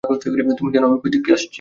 তুমি জানো আমি, কই থেইক্কা আসছি?